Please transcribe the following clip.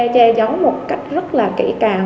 che gió một cách rất là kỹ càng